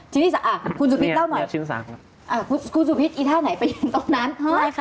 ชิ้นที่สามคุณสุพิษเล่าหน่อยคุณสุพิษไอ้ท่าไหนไปตรงนั้นยังไงครับ